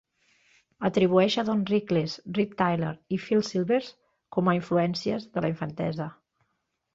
Atribueix Don Rickles, Rip Taylor i Phil Silvers com a influències de la infantesa.